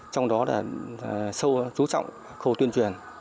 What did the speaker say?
trong đó là sâu trú trọng khâu tuyên truyền